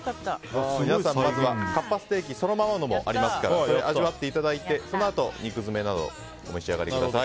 皆さん、まずはかっぱステーキそのままのもありますからそれを味わっていただいてそのあと肉詰めなどをお召し上がりください。